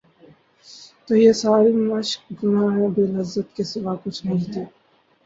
تو یہ ساری مشق گناہ بے لذت کے سوا کچھ نہیں تھی۔